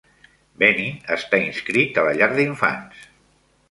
Benny està inscrit a la llar d'infants.